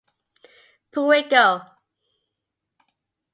Perigo!